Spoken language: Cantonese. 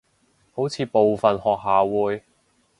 好似部份學校會